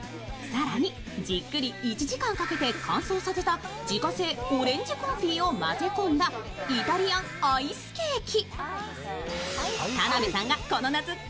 更に、じっくり１時間かけて乾燥させたオレンジコンフィーを混ぜ込んだイタリアンアイスケーキ。